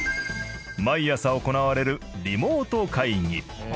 毎朝行われるリモート会議。